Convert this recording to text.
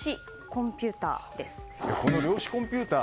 この量子コンピューター